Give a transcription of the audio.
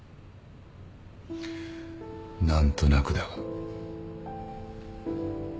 何となくだが。